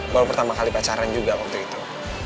baru pertama kali pacaran juga waktu itu